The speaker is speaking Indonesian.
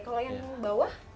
kalau yang bawah